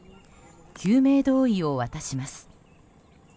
救命胴衣を渡します。